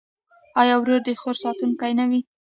آیا ورور د خور ساتونکی نه وي؟